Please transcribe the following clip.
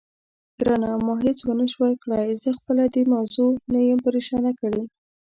ګرانه، ما هېڅ ونه شوای کړای، زه خپله دې موضوع نه یم پرېشانه کړې.